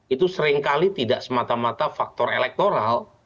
itu seringkali tidak semata mata faktor elektoral